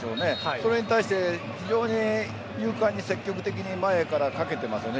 それに対して非常に勇敢に積極的に前からかけてますよね。